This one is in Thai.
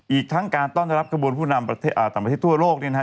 อีกทั้งการต้อนรับขบวนผู้นำต่างประเทศทั่วโลกเนี่ยนะฮะ